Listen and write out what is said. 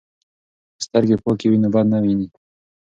که سترګې پاکې وي نو بد نه ویني.